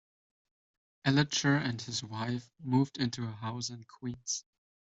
Elitcher and his wife moved into a house in Queens.